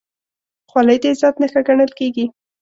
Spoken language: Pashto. خولۍ د عزت نښه ګڼل کېږي.